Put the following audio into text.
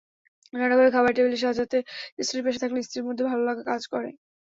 রান্নাঘরে, খাবার টেবিল সাজাতে স্ত্রীর পাশে থাকলে স্ত্রীর মধ্যে ভালোলাগা কাজ করে।